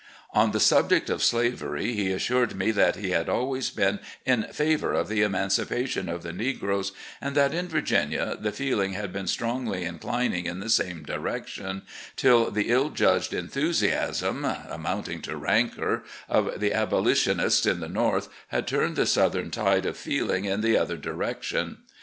" On the subject of slavery, he assured me that he had always been in favour of the emancipation of the negroes, and that in Virginia the feeling had been strongly in clining in the same direction, till the ill judged enthusiasm (amotmting to rancour) of the abolitionists in the North had turned the Southern tide of feeling in the other direction.